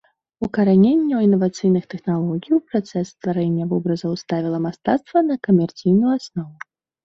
Укараненне інавацыйных тэхналогій у працэс стварэння вобразаў ставіла мастацтва на камерцыйную аснову.